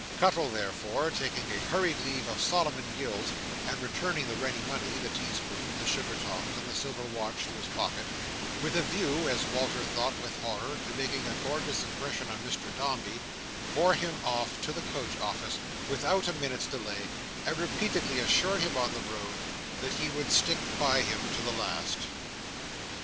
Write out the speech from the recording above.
Cuttle, therefore, taking a hurried leave of Solomon Gills, and returning the ready money, the teaspoons, the sugar tongs, and the silver watch, to his pocket—with a view, as Walter thought, with horror, to making a gorgeous impression on Mr Dombey—bore him off to the coach office, without a minute's delay, and repeatedly assured him, on the road, that he would stick by him to the last.